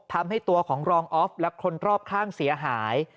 ทำให้ตัวของรองออฟและคนรอบข้างเสียหาย